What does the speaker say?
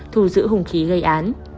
thu giữ hôn khí gây án